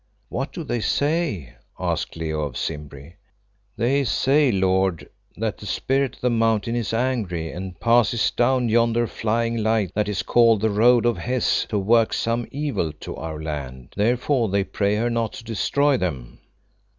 "What do they say?" asked Leo of Simbri. "They say, lord, that the Spirit of the Mountain is angry, and passes down yonder flying light that is called the Road of Hes to work some evil to our land. Therefore they pray her not to destroy them."